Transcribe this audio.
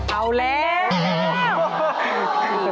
เอาแล้ว